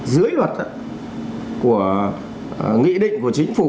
dưới luật của nghị định của chính phủ